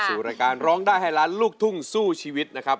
สู่รายการร้องได้ให้ล้านลูกทุ่งสู้ชีวิตนะครับ